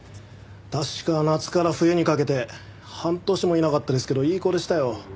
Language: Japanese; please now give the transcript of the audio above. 確か夏から冬にかけて半年もいなかったですけどいい子でしたよ。